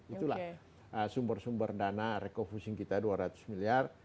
itulah sumber sumber dana recofusing kita dua ratus miliar